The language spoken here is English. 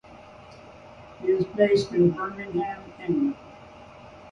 He is based in Birmingham, England.